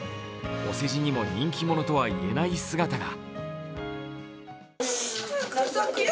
お世辞にも人気者とは言えない姿が。